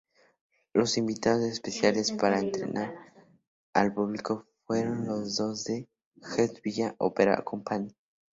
Los invitados especiales para entretener al público fueron los de East Village Opera Company.